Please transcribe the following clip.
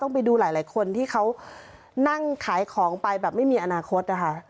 ไปดูหลายคนที่เขานั่งขายของไปแบบไม่มีอนาคตนะคะ